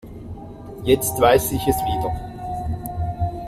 Jetzt weiß ich es wieder.